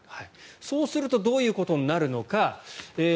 そうするとどういうことになるのか。